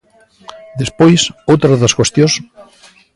Despois, outra das cuestións.